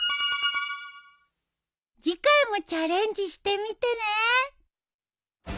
次回もチャレンジしてみてね。